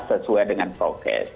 sesuai dengan prokes